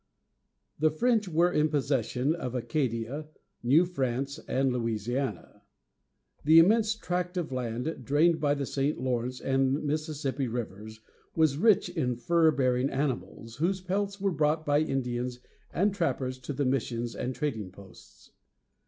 The French were in possession of Acadia, New France, and Louisiana. The immense tract of land drained by the St. Lawrence and Mississippi rivers was rich in fur bearing animals, whose pelts were brought by Indians and trappers to the missions and trading posts.